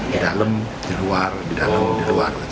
di dalam di luar di dalam di luar